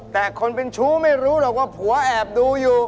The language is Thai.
แต่คนเป็นชู้ไม่รู้หรอกว่าผัวแอบดูอยู่